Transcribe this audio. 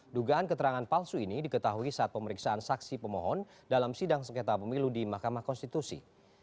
dugaan keterangan palsu ini diketahui saat pemeriksaan saksi pemohon dalam sidang sengketa pemilu di mahkamah konstitusi